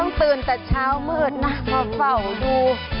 ต้องตื่นแต่เช้ามืดน่าต้องเฝ่าดู